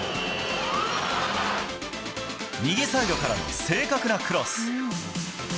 右サイドからの正確なクロス。